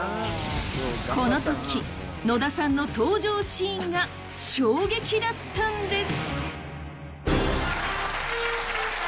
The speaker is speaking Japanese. このとき、野田さんの登場シーンが衝撃だったんです！